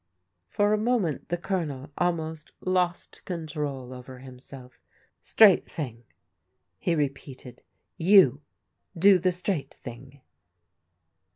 For a moment the Colonel almost lost control over himself. " Straight thing," he repeated. "You do the straight thing."